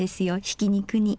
ひき肉に。